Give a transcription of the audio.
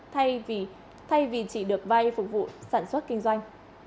thay vì chỉ được vay phục vụ sản xuất kinh doanh